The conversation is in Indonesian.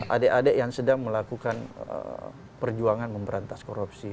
adik adik yang sedang melakukan perjuangan memberantas korupsi